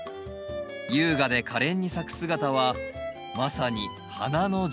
優雅で可憐に咲く姿はまさに花の女王。